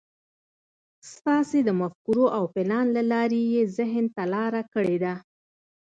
ستاسې د مفکورو او پلان له لارې يې ذهن ته لاره کړې ده.